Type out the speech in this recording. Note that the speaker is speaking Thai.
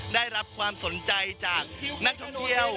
ได้รับความสนใจจากนักท่องเที่ยว